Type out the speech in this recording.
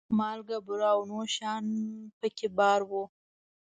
مالګه، بوره او نور شیان په کې بار وو.